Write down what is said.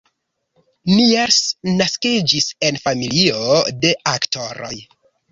Niels naskiĝis en familio de aktoroj.